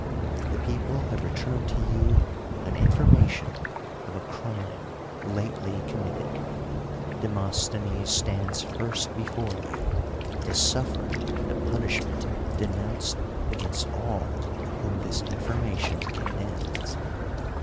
The people have returned to you an information of a crime lately committed. Demoslhenes stands first before you to suffer the punishment denounced against all whom this information condemns.